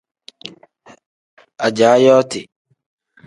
Ajaa yooti.